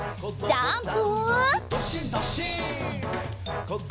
ジャンプ！